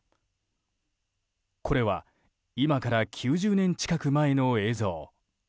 これは今から９０年近く前の映像。